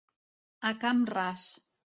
A camp ras.